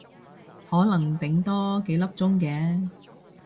可能頂多幾粒鐘嘅